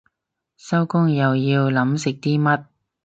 收工又要諗食啲乜